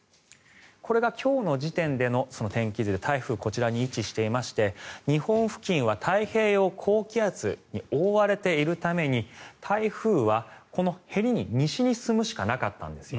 これが今日の時点での天気図で台風、こちらに位置していまして日本付近は太平洋高気圧に覆われているために台風はこのへりに西に進むしかなかったんです。